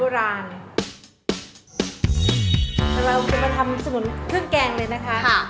เราจะมาทำสมุนเครื่องแกงเลยนะคะ